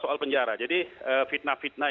soal penjara jadi fitnah fitnah